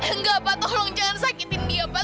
enggak pak tolong jangan sakitin dia pak